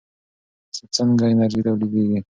څنګه انرژي تولیدېږي؟